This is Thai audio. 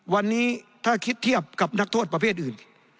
วันนี้ถ้าคิดเทียบกับนักโทษประเภทอื่น